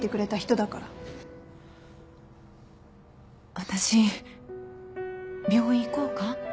私病院行こうか？